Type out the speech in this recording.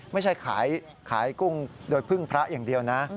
ไม่ใช่ขายกุ้งโดยพึ่งพระอย่างเดียวนะ